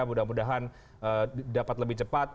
mudah mudahan dapat lebih cepat